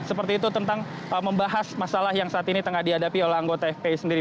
seperti itu tentang membahas masalah yang saat ini tengah dihadapi oleh anggota fpi sendiri